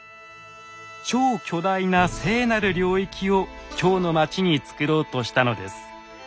超巨大な「聖なる領域」を京の町につくろうとしたのです。